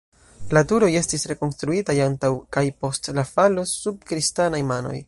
La turoj estis rekonstruitaj, antaŭ kaj post la falo sub kristanaj manoj.